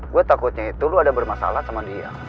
gue takutnya itu lu ada bermasalah sama dia